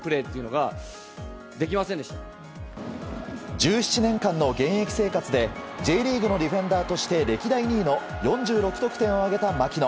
１７年間の現役生活でＪリーグのディフェンダーとして歴代２位の４６得点を挙げた槙野。